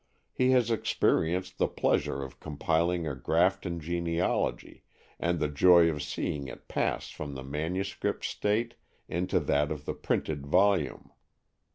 He has experienced the pleasure of compiling a Grafton genealogy, and the joy of seeing it pass from the manuscript state into that of the printed volume.